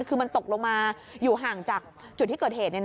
คือมันตกลงมาอยู่ห่างจากจุดที่เกิดเหตุ